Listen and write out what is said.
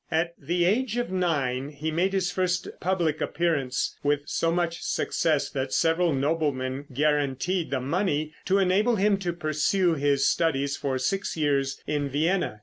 At the age of nine he made his first public appearance, with so much success that several noblemen guaranteed the money to enable him to pursue his studies for six years in Vienna.